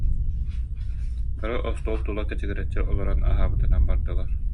Бары остуол тула кэчигирэччи олорон, аһаабытынан бардылар